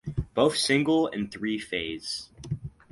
Both single and three phase.